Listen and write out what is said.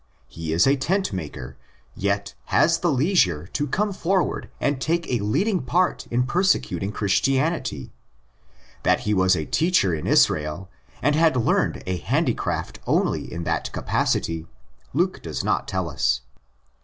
He is a tentmaker, yet has the leisure. to come forward and take a leading part in persecuting Christianity. That he was a teacher in Israel, and had learned a handicraft only in that capacity, Luke does not tell us.